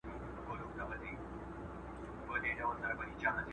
امنیت د هرې پانګونې لومړی شرط دی.